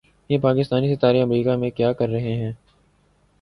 یہ پاکستانی ستارے امریکا میں کیا کررہے ہیں